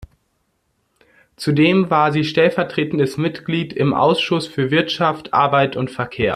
Zudem war sie stellvertretendes Mitglied im Ausschuss für Wirtschaft, Arbeit und Verkehr.